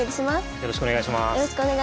よろしくお願いします。